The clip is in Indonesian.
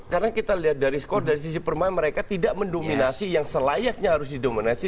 karena kita lihat dari skor dari sisi permain mereka tidak mendominasi yang selayaknya harus didominasi